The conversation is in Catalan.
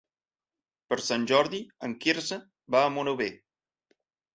Per Sant Jordi en Quirze va a Monòver.